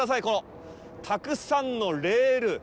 このたくさんのレール！